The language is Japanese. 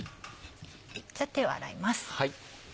じゃあ手を洗います。